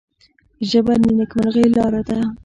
ژبه د نیکمرغۍ لاره ده